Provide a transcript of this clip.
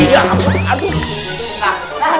ini keras apaan ini